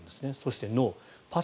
そして脳。